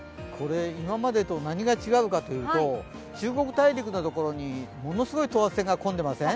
今までと何が違うかというと、中国大陸のところにものすごい等圧線が混んでません？